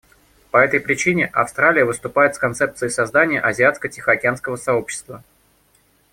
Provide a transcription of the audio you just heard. По этой причине Австралия выступает с концепцией создания Азиатско-Тихоокеанского сообщества.